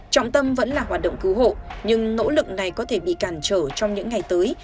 trọng tâm vẫn là hoạt động cứu hộ nhưng nỗ lực này có thể bị cản trở trong những ngày tới